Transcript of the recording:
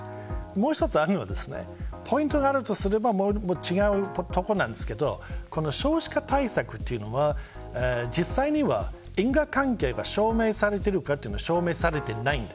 もう１つあるのはポイントがあるとすればちょっと違うところですが少子化対策というのは実際には因果関係が証明されているかというと証明されていません。